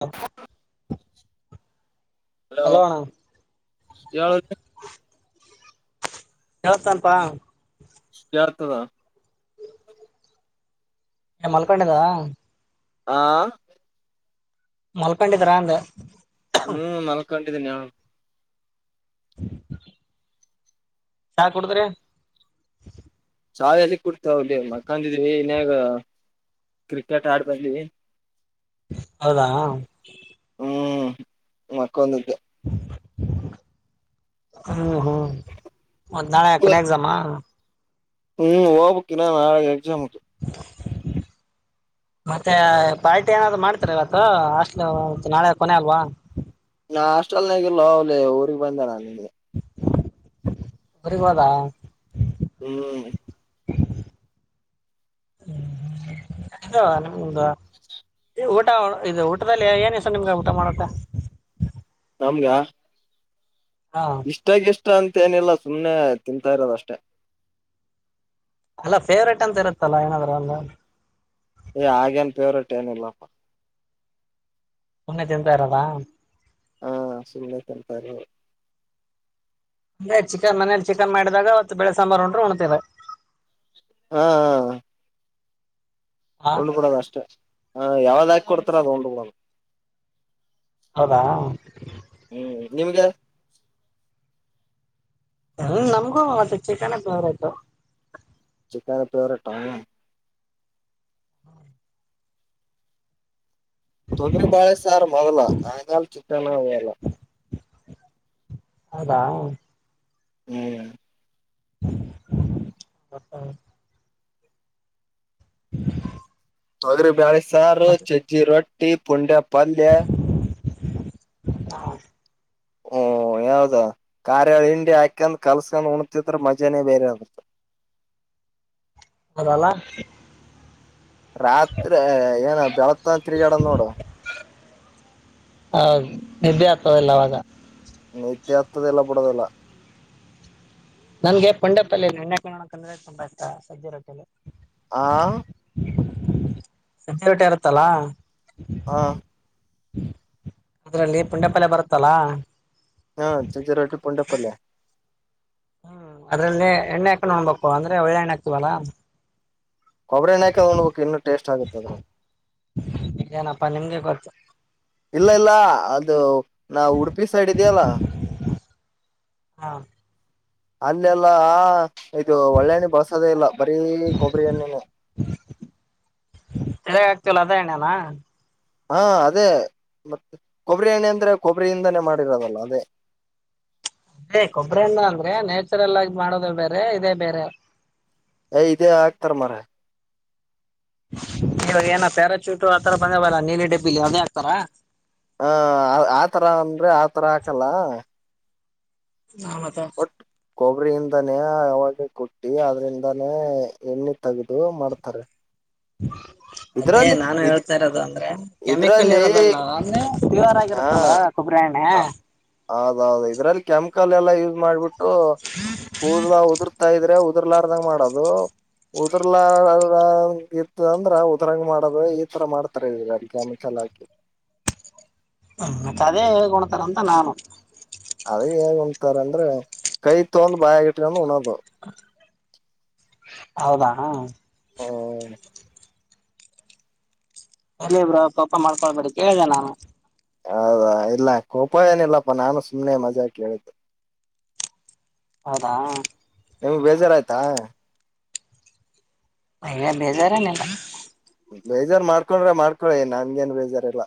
ಹ [inaudible] ಹಲೋಣ್ಣ [inaudible] ಹೇಳು [inaudible] ಕೇಳ್ತನಪ್ಪ [inaudible] ಕೇಳ್ತದ [inaudible] ಏ ಮಲ್ಕೊಂಡಿದ್ದ. ಹಾ ಮಲ್ಕೊಡಿದ್ರ ರಾ ಅಂದೆ. ಹ್ಮ್ ನಲ್ ಮಲ್ಕೊಂಡಿದಿನಿ ಹೇಳು ಹ [inaudible] ಚಾ ಕುಡ್ದ್ರಿ ಚಾ ಎಲ್ಲಿ ಕುಡ್ತವಿ ಮಕ್ಕಂದಿದ್ವಿ ಇನ್ಯಾಗ್ ಕ್ರಿಕೆಟ್ ಆಡ್ ಬಂದಿವಿ ಹೌದಾ ಮಕ್ಕೊಂಡಿದೆ. ಹ್ಮ್ ಹ್ಮ್ ಒಂದ್ ನಾಳೆ ಕೊನೆ ಎಕ್ಸಾಮ್ ಹ್ಮ್ ಹೋಗ್ಬೇಕಕ್ ನಾ ನಾಳೆ ಎಕ್ಸಾಮ್. [inaudible] ಮತ್ತೆ ಪಾರ್ಟಿ ಏನಾದ್ರು ಮಾಡ್ತಾರೆ ಇವತ್ತು ಹಾಸ್ಟೆಲ್ ನಾಳೆ ಕೊನೆ ಅಲ್ವಾ. ಹಾಸ್ಟೆಲ್ನಗಲ್ ಅವ್ಲಿ ಊರಿಗೆಗ್ ಬಂದ್ ನ ನಿಗೆ [inaudible] ಊರಿಗ್ ಹೋದ. ಹ್ಮ್ [inaudible] ಹೌದಾ ಒ ಊಟ ಇದ್ ಊಟದಲ್ಲಿ ಏನ್ ಇಷ್ಟ ನಿಮ್ಗೆ ಊಟ ಮಾಡಕ್ ನಮ್ಗ. ಹಾ ಇಷ್ಟಾಗ್ ಎಷ್ಟ್ ಇಷ್ಟ ಅಂತ ಏನಿಲ್ಲ ಸುಮ್ನೆ ತಿಂತಾ ಇರೋದಷ್ಟೇ. ಅಲ್ಲ ಫೇವ್ರೇಟ್ ಅಂತ ಇರುತ್ತಲ್ಲ ಏನಾದ್ರೂ ಒಂದು ಏ ಹಾಗೇನ್ ಫೇವ್ರೇಟ್ ಏನಿಲ್ಲಪ್ಪ. ತಿಂತ ಇರಲ್ಲ. ಹಾ ಸುಮ್ಮನೆ ತಿಂತಿರಾದು. ಅಂದೆ ಚಿಕನ್ ಮನೇಲಿ ಚಿಕನ್ ಮಾಡಿದಾಗ ಬೆಳೆ ಸಾಂಬಾರ್ ಹುಂಡ್ರೆ ಹೊಣ್ತಾರ ಹಾ ಹಾ ಹಾ ಉಂಡ್ ಬಿಡೋದು ಅಷ್ಟೇ ಹ ಯಾವದ್ ಕೊಡ್ತರೆ ಅದೊಂಡ್ ಕೂಡ ಹೌದಾ [inaudible] ಹ್ಮ್ ನಿಮ್ಗೆ ಹ ನಮ್ಗೂ ಮತ್ತೆ ಚಿಕನ್ ಫೇವರ್ಟಿ. ಚಿಕನ್ ನೆ ಫೇವರೆಟ್ ತೊಂದ್ರ ಬಳ್ ಸಾರು ಮೊದಲ್ ಆದಿನಾ ಚಿಕ್ಕನ ಹೇಲ್ಲ ಹೌದಾ ಹ್ಮ [unintelligible] [inaudible] [unintelligible] ಸಾರು ಮತ್ತೆ ಚೆಜ್ಜಿ ರೋಡ್ ಈ ಪುಂಡ್ಯ ಪಲ್ಯಾ ಹಾ ಹಓ ಯಾವದ್ ಕಾರ್ಯ ಹಿಂಡಿ ಹಾಕಂಡ್ ಕಲ್ಸ್ಕೊಂಡ್ ಉಣತಿದ್ರ ಮಜಾನೇ ಬೇರೆ ಆಗತ್ ಹದಲ್ಲ. [inaudible] ರಾತ್ರಿ ಏನ್ ಬೆಳತ್ ತಿರುಗಾಡ್ ನೋಡು ಆ ನಿದ್ದೆ ಆಗ್ತದೆಲ್ಲ ಅವಾಗ. ಮ ಎಲ್ಲ ಬುಡದಲ್ಲ ನನ್ಗೆ ಪಂಡೆ ಅಲ್ಲಿ ನನ್ ಕಡ್ ಕನ್ನಡ ತುಂಬಾ ಇಷ್ಟ ಸಜ್ಜ ರೊಟ್ಟಲ್ಲಿ. ಆ ಸಜ ರೊಟ್ಟಿ ಇರುತ್ತಲ್ಲ ಹಾ ಅದ್ರಲ್ಲಿ ಪುಂಡ್ಯಪಲ್ಲ ಬರುತ್ತಲ್ಲ ಹಾ ಸೇಜ್ಜೆ ರೋಟ್ಟಿ ಪೊಂಡಪಲ್ಲೇ ಹ್ಮ್ ಅದ್ರಲ್ಲ ಎಣ್ಣೆ ಹಾಕೊಂಡ್ ಉಣಬೇಕು ಅಂದ್ರೆ ಒಳ್ಳೆ ಎಣ್ಣೆ ಹಾಕ್ತವಲ್ಲ ಕೊಬ್ಬರಿ ಎಣ್ಣ ಹಾಕ್ ನೋಣಬೇಕಕ್ ಇನ್ನು ಟೇಸ್ಟ್ ಆಗುತ್ತ್ ಅದ್ರಗೆ. ಏನಪ್ಪಾ ನಿಮ್ಗೆ ಗೊತ್ತು ಇಲ್ಲ ಇಲ್ಲ ಅ ಅದು ನಾವ್ ಉಡುಪಿ ಸೈಡ್ ಇದ್ಯಲ್ಲ ಹಾ ಅಲ್ಲೆಲ್ಲಾ ಆ ಇದು ಒಳ್ಳೆಣ್ಣೆ ಬಳಸದೇ ಇಲ್ಲ ಬರೀ ಕೊಬ್ಬರಿ ಎಣ್ಣೆ. ತಲೆಗ್ ಅದೇ ಎಣ್ಣೆನಾ. ಹಾ ಅದೇ ಮತ್ತೆ ಕೊಬ್ಬರಿ ಎಣ್ಣೆ ಅಂದ್ರೆ ಕೊಬ್ಬರಿಯಿಂದಾನೇ ಮಾಡಿರೋದಲ್ಲ ಅದೇ. ಅದೇ ಕೊಬ್ರಿ ಎಣ್ಣೆ ಅಂದ್ರೆ ನ್ಯಾಚುರಲ್ ಆಗಿ ಮಾಡೋದು ಬೇರೆ ಇದೇ ಬೇರೆ. ಯ ಇದೇ ಆಾಗ್ತಾರ್ ಮರೆ ಇವಾಗ್ ಏನ ಪ್ಯಾರಾಶೂಟ ಆತರ ಬಂದವಲ್ಲ ನೀಲಿ ಡಬ್ಬಿಲಿ ಅದೇನೆ ಹಗ್ತಾರ. ಹ ಆತರ ಅಂದ್ರೆ ಆತರ ಹಾಕಲ್ಲ ಹ ಮತ್ತೆ ಒಟ್ ಕೊಬ್ಬರಿಯಿಂದಾನೇ ಅವಾಗ್ ಕೊಟ್ಟಿ ಅದ್ರಿಂದಾನೇ ಎಣ್ಣೆ ತೆಗೆದು ಮಾಡ್ತಾರೆ. ಹಾ [inaudible] ಅದೇ ಇದ್ರಲ್ಲಿ ನಾನು ಇದ್ ಹೇಳ್ತಾ ಇರೋದು ಅಂದ್ರೆ ಕೆಮಿಕಲ್ ಇದ್ರಲ್ಲಿ ಇರದಲ್ಲ ಅಂದ್ರೆ ಕ್ಲಿಯರ್ ಹಾ ಆಗಿರುತ್ತೆ ಅಲ್ ಕೊಬ್ಬರಿ ಎಣ್ಣೆ. ಕಕ್ಕಲ್ಲ ಎಲ್ಲ ಯೂಸ್ ಮಾಡ್ಬಿಟ್ಟು ಕೂದಲ್ ಉದುರ್ತಾ ಇದ್ರೆ ಉದರ್ಲಾರದಂಗ್ ಮಾಡೋದು ಉದುರ್ಲಾರಂಗ್ ಇತ್ತು ಅಂದ್ರ ಉದ್ರಂಗ್ ಮಾಡೋದು ಈತರ್ ಮಾಡ್ತಾರೆ ಇಕ್ ಆಮಕ್ಕೆಲ್ಲ ಹಾಕಿ. ಹ ಮತ್ತ್ ಅದೇ ಹೇಳ್ಕತಾರಂತ್ ನಾನು. ಅದ ಹೇಗ್ ಅಂದ್ರೆ ಕೈ ತೊಂದ್ ಬಾಯಗಿಟ್ಕೊಂಡ್ ಉಣದು. ಹ ಹೌದಾ ಹ ಹ್ಮ್ ಎಲ್ಲಿ ಇರ್ಲಿ ಬ್ರೋ ಕೋಪ ಮಾಡ್ಕೊಳ್ಬೇಡಿ ಕೇಳಿದ್ ನಾನು. ಹೌದಾ ಇಲ್ಲ ಕೋಪ ಏನ ಇಲ್ಲಪ್ಪ ನಾನು ಸುಮ್ನೆ ಮಜಾ ಕೇಳಿದ್ದೆ. ಅದಾ ನಿಮ್ಗ್ ಬೇಜಾರ್ ಆಯ್ತಾ. ಅಯ್ ಬೇಜಾರಲ್ಲ. [inaudible] ಬೇಜಾರ್ ಮಾಡ್ಕೊಂಡ್ರ ಮಾಡ್ಕೊಳಿ ನನ್ಗೇನ್ ಬೇಜಾರ್ ಇಲ್ಲ.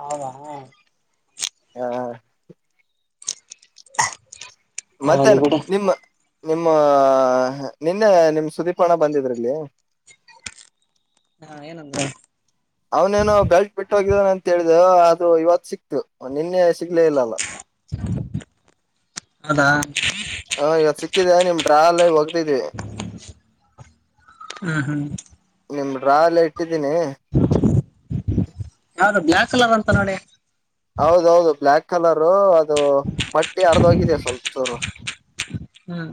ಹೌದ ಹಾ ಹಾ ಮತ್ತೇ ಹೋಗ್ಲಿ ಬಿಡಿ ನಿಮ್ಮ ನಿಮ್ಮ ನಿನ್ನೆ ನಿಮ್ ಸುದೀಪ್ ಹಣ್ಣ ಬಂದಿದ್ರಲ್ಲಿ. ಹಾ ಏನಂದ್ ಅವನೇನು ಬೆಳ್ಟ್ ಬಿಟ್ಟೋಗಿದಾನ ಅಂತೇಳ್ದವು ಅದು ಇವತ್ ಸಿಕ್ತು ನಿನ್ನೆ ಸಿಗ್ಲೇ ಇಲ್ಲಲ್ಲ. ಹೌದಾ ಹಾ ಹತಿದೆ ನಿಮ್ ಟ್ರಾವೆಲ್ ಹೋಗ್ತಿದವಿ ಹ್ಮ್ ಹ್ಮ್ ನಿಮ್ರಾ ಎಲ್ಲಾ ಇಟ್ಟಿದ್ದೀನಿ ಬ್ಲ್ಯಾಕ್ ಕಲರ್ ಅಂತ್ ನೋಡಿ. ಹೌದೌದು ಬ್ಲ್ಯಾಕ್ ಕಲರು ಅದು ಬಟ್ಟಿ ಅರ್ದೋಗಿದೆ ಸ್ವಲ್ಪ ಚೋರು ಹ್ಮ್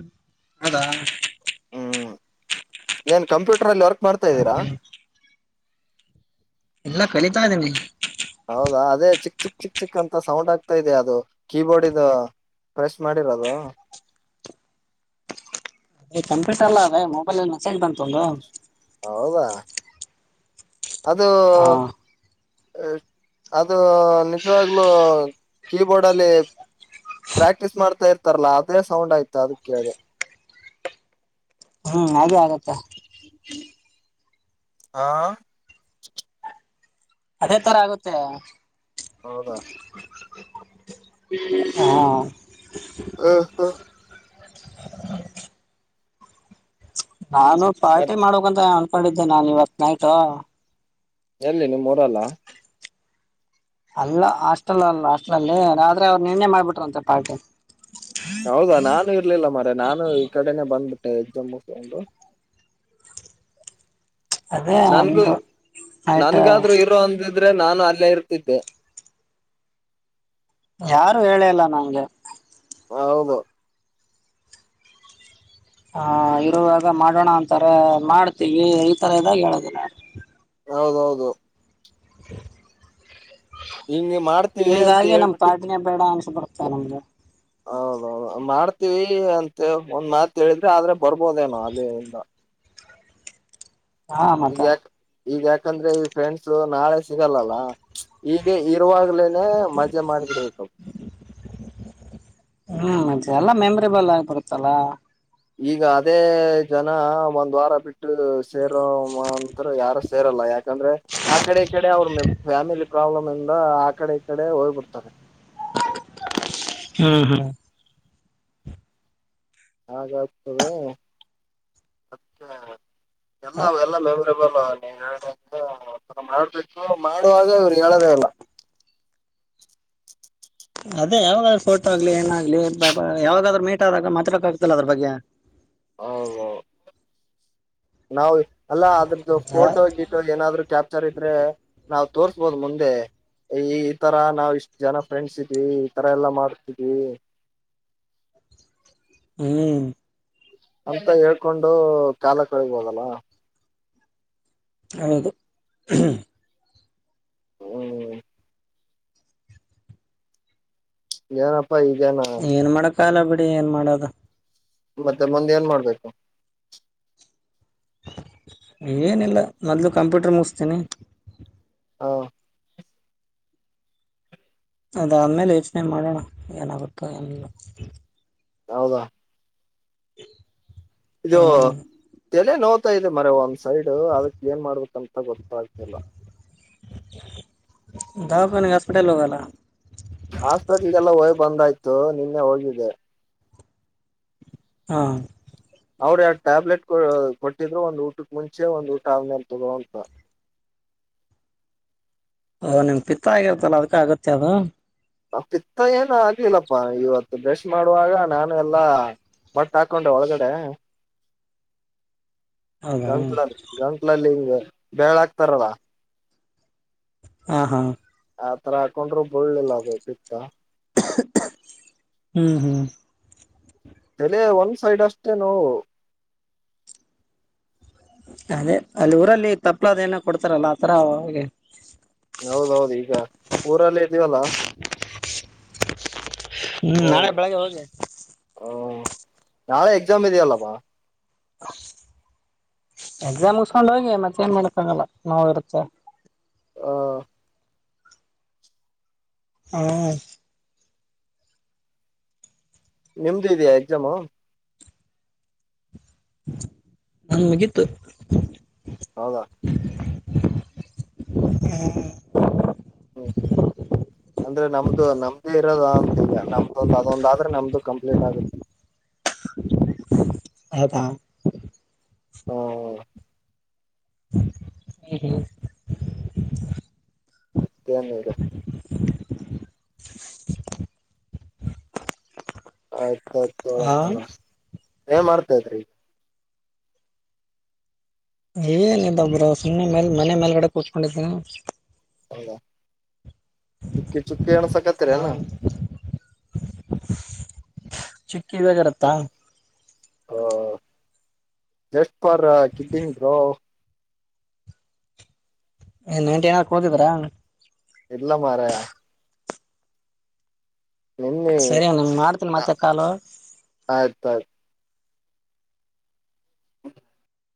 ಹೌದಾ ಹ್ಮ್ ಏನ್ ಕಂಪ್ಯೂಟರ್ಲ್ಲಿ ವರ್ಕ್ ಮಾಡ್ತಾ್ದೀರಾ. ಓಕೆ ಎಲ್ಲ ಕಲೀತಾ ಇದ್ದೀನಿ. ಹೌದಾ ಅದೇ ಚಿಕ್ ಚಿಕ್ ಚಿಕ್ ಚಿಕ್ಕ ಅಂತ ಸೌಂಡ್ ಆಗ್ತಾ ಇದೆ ಅದು ಕೀಬೋರ್ಡ್ದು ಪ್ರೆಸ್ ಮಾಡಿರೋದು. ಅ ಕಂಪ್ಯೂಟರ್ ಅಲ್ಲ ಅದೇ ಮೊಬೈಲ್ಲ್ಲಿ ಮೆಸೇಜ್ ಬಂತು ಒಂದು ಹೌದಾ ಅದು ಹಾ ಅದು ನಿಜವಾಗ್ಲುೂ ಕೀಬೋರ್ಡ್ ಅಲ್ಲಿ ಪ್ರಾಕ್ಟೀಸ್ ಮಾಡ್ತಾ ಇರ್ತಾರಲ್ಲ ಅದೇ ಸೌಂಡ್ ಆಯ್ತು ಅದಕ್ಕೆ ಹ್ಮ್ ಅದೇ ಆಗತ್ತೆ. ಹಾ ಅದೇ ತರ ಆಗುತ್ತೆ. ಹೌದಾ ಹಾ ಹಾ ಹಾ ನಾನು ಪಾರ್ಟಿ ಮತ್ ಮಾಡಕ್ಂತ್ ಅನ್ಕೊಂಡಿದ್ದೆನೆ ನಾನನ್ ಇವತ್ ನ ಹಾ ಎಲ್ಲಿ ನಿಮೂರಲ್ಲ ಅಲ್ಲ ಹಾಸ್ಟೆಲ್ ಅಲ್ಲ ಹಾಸ್ಟೆಲ್ ಅಲ್ಲಿ ಆದ್ರೆ ಅವ್ರು ನಿನ್ನೆ ಮಾಡ್ಬಿಟ್ರ ಅಂತೆ ಪಾರ್ಟಿ. ಹೌದಾ ನಾನು ಇರ್ಲಿಲ್ಲ ಮರಯ ನಾನು ಈ ಕಡೆನನೆ ಬಂದ್ಬಿಟ್ಟೆ ಎಕ್ಸಾಮ್ ಮುಸ್ಕೊಂಡ್ ಅದೇ ನನ್ಗು ಅಂದ್ರು ನೈಟ್ ನನ್ಗಾದ್ರು ಇರೋ ಒಂದ್ ಆದ್ರೆ ನಾನು ಅಲ್ಲೇ ಇರ್ತಿದ್ದೆ. ಯಾರು ಹೇಳೇ ಇಲ್ಲ ನಂಗೆ. ಹೌದು ಹ ಇರುವಾಗ ಮಾಡೋಣ ಅಂತಾರೆ ಮಾಡ್ತೀವಿ ಈ ತರ ಇದಾಗ ಹೇಳೋದಿಲ್ಲ. ಹೌದೌದು [inaudible] ಹಿಂಗ್ ಮಾಡ್ತೀವಿ ಅಂತ ಹೀಗಾಗಿ ನಮ್ ಹೇಳ್ಬಿಟ್ಟು ಪಾಟಿನೆ ಬೇಡ ಅನ್ಸಬಡ್ ತಾನಮದ್ ಹೌದೌದು ಮಾಡ್ತೀವಿ ಅಂತೇಳ್ ಒಂದ್ ಮಾತ ಹೇಳಿದ್ರೆ ಆದ್ರೆ ಬರ್ಬೋದೇನೋ ಅಲ್ಲಿಂದ ಹಾ ಮತ ಈಗ ಯಾಕ ಈಗ ಯಾಕಂದ್ರೆ ಈ ಫ್ರೆಂಡ್ಸ್ ನಾಳೆ ಸಿಗಲ್ಲಲ್ಲ ಈಗ ಈ ತರುವಾಗಲೇನೆ ಮಜಾ ಮಾಡ್ಬಿಡ್ಬೇಕು ಹ್ಮ್ ಮತೆ ಎಲ್ಲಾ ಮೆಮರೇಬಲ್ ಆಗಿ ಬರುತ್ತಲ್ಲಾ ಈಗ ಅದೇ ಜನ ಒಂದ್ ವಾರ ಬಿಟ್ಟು ಸೇರೋಂತರ ಯಾರು ಸೇರಲ್ಲ ಯಾಕೆ ಅಂದ್ರೆ ಆ ಕಡೆ ಈ ಕಡೆ ಅವ್ರ ಫ್ಯಾಮಿಲಿ ಪ್ರಾಬ್ಲಮ್ ಇಂದ ಆ ಕಡೆ ಈ ಕಡೆ ಹೋಗ್ಬಿಡ್ತಾರೆ ಹ್ಮ್ ಹ್ಮ್ ಹಾಗಾಗ್ತದೆ ಮತ್ತ ಎಲ್ಲವ್ ಎಲ್ಲ ನೀ ಹೇಳ್ದಂಗ ಮಾಡ್ಬೇಕು ಮಾಡುವಾಗ ಇವ್ರು ಹೇಳದೇ ಇಲ್ಲ ಅದೇ ಯಾವಾಗಾದ್ರರು ಫೋಟೋ ಆಗ್ಲಿ ಏನಾಗ ಇಲೀ ಬೈ ಬೈ ಯಾವಾಗದ್ರು ಮಿ ಆದಾಗ ಮಾತಾಡಕ್ ಆಗ್ತಲ್ಲ ಅದ್ರ ಬಗ್ಗೆ ಹ ನಾವು ಅಲ್ಲ ಅದ್ರದ್ದು ಫೋಟೋ ಗಿಟೋ ಏನಾದ್ರು ಕ್ಯಾಪ್ಚರ್ ಇದ್ರೆ ನಾವ್ ತೋರ್ಸ್ಬೋದ್ ಮುಂದೆ ಈ ಈ ತರ ನಾವ್ ಇಷ್ಟ್ ಜನ ಫ್ರೆಂಡ್ಸ್ ಇದ್ವಿ ಈ ತರ ಎಲ್ಲ ಮಾಡ್ತಿದ್ವಿ ಹ್ಮನ್ ಅಂತ ಹೇಳ್ಕೊಂಡು ಕಾಲ ಕಳಿಬೋದಲ್ಲ ಹೌದು ಹ್ಮ್ ಏನಪ್ಪಾ ಪೈಗ ನಾ ಕಾಲ ಬಿಡಿ ಏನ್ ಮಾಡೋದು ಮತ್ತೆ ಮುಂದೆ ಏನ್ ಮಾಡ್ಬೇಕು ಏನಿಲ್ಲ ಮೊದಲು ಕಂಪ್ಯೂಟರ್ ಮುಗಿಸ್ತೀನಿ ಹಾ ಅದಾದ್ಮೇಲೆ ಯೋಚನೆ ಮಾಡೋಣ ಏನಾಗುತ್ತೋ ಎನಿಲ್ಲ ಹೌದಾ [inaudible] ಇದು ಹ್ಮ್ ತಲೆ ನೋಯಿತಾ ಇದೆ ಬರೆ ಒಂದ್ ಸೈಡು ಅದಕ್ ಏನ್ ಮಾಡ್ಬೇಕಂತ ಗೊತ್ತಾಗ್ತಿಲ್ಲ ದಾವಕಿನಿಗೆ ಹಸ್ಪಿಟಲಗೇ ಹೋಗಲ್ಲ ಹಾಸ್ಪಿಟ್ಲ್ಗೆಲ್ಲ ಹೋಗ್ ಬಂದಾಯ್ತು ನಿನ್ನೆ ಹೋಗಿದ್ದೆ ಹಾ ಅವರ ಯಾರ ಟ್ಯಾಬ್ಲೆಟ್ ಕೊ ಕೊಟ್ಟಿದ್ರು ಒಂದ್ ಊಟಕ್ಕೆ ಮುಂಚೆ ಒಂದ್ ಊಟ ಆನೇಲ್ ತಗೋಂತ ಓ ನಿಮ್ ಪಿತ್ತ ಆಗಿರ್ತ್ತಲ್ಲ ಅದಕ್ಕ ಆಗತ್ತೆ ಅದು ಆ ಪಿತ್ತ ಏನು ಆಗ್ಲಿಲ್ಲಪ್ಪಾ ಇವತ್ತು ಬ್ರಷ್ ಮಾಡುವಾಗ ನಾನು ಎಲ್ಲಾ ಮಟ್ಟಾಕೊಂಡೆ ಒಳಗಡೆ. ಹೌದಾ ಗಂಟ್ಲಲ್ಲಿ ಗಂಟ್ಲಲ್ಲಿ ಹಿಂಗೆ. ಬೆರಳಾಹಕ್ತಾರಲ್ಲ. ಹಾ ಹಾ ಆತರ ಕೊಂಡ್ರು ಬೀಳ್ಳಿಲ್ಲ ಅದು ಪಿತ್ತ. ಹ್ಮ್ ಹ್ಮ್ ತೆಲೆ ಒಂದ್ ಸೈಡ್ ಅಷ್ಟೇ ನೋವು. ಅದೇ ಅಲ್ಲೂರಲ್ಲಿ ತಪ್ಪ್ಳ ಅದ್ ಏನೊ ಕೊಡ್ತಾರಲ್ಲ ಆತರ ಹೊಳ್ಗೆ. ಊರಲ್ಲಿದ್ದೀವಲ್ಲ. ಹ್ಮ್ ನಾಳೆ ಹೌದು. ಬೆಳಗ್ಗೆ ಹೋಗಿ. ಹ್ಮ್, ನಾಳೆ ಎಕ್ಸಾಮಿದಿಯಲ್ಲಪ್ಪಾ. ಎಕ್ಸಾಮ್ ಮುಗೀಸ್ಸ್ಕೊಂಡೋಗಿ ಮತ್ತೇನ್ ಮಾಡಕ್ಕಾಗಲ್ಲ ನಾವ್ ಇರುತ್ವೆ. ಹಾ ಹ್ಮ್ ನಿಮ್ದಿದ್ಯಾ ಎಕ್ಸಾಮು? ನಂದ್ ಮುಗಿತು. ಹೌದಾ? ಹ [inaudible] ಹ್ಮ್ ಅಂದ್ರೆ ನಮ್ಮ್ ದೂ ನಮ್ದು ಇರೋದಾಂತೀಗ ನಮ್ದೊಂದು ಅದೊಂದಾದ್ರೆ ನಮ್ದು ಕಂಪ್ಲೀಟ್ ಆಗುತ್ತೆ. ಹೌದ? ಹ್ಮ ಹ್ಮ್ ಹ್ಮ ಏನೀಗ? ಆಯ್ತ್. ಹಾ [unintelligible] ಏನ್ ಮಾಡ್ತ್ [unintelligible] ಏನಿಲ್ಲ ಬ್ರೊ ಸುಮ್ನೆ ಮೇಲ್ ಮನೆ ಮೇಲ್ಗಡೆ ಕೂತ್ಕೊಂಡಿದ್ದನ ಹೌದ? ಚುಕ್ಕಿ ಚುಕ್ಕಿ ಆ ಏಣ್ಸಕತ್ತೀರೇನು? ಚುಕ್ಕಿ ಇವಾಗ್ ಇರುತ್ತಾ? ಓ ಜಷ್ಟ್ ಪರ್ ಕಿಡ್ಡಿಂಗ್ ಬ್ರೋ. ಏ ನೆಂಟೇನಕ್ ಹೋಗಿದ್ರಾ? ಇಲ್ಲ ಮಾರಾಯ. ನೆನ್ನೆ ಸರಿ ನಾನು ಮಾಡ್ತೀನಿ ನ ಮತ್ತೆ ಕಾಲು ಆಯ್ತಾಯ್ತು.